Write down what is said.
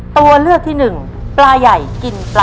ตัวเลือกที่๔รสชนต้นไม้